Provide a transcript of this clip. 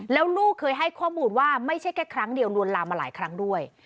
แล้วลูกเคยให้ข้อมูลว่าไม่ใช่แค่ครั้งเดียวลวนลามมาหลายครั้งด้วย